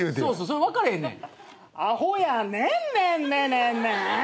それ分かれへんねん。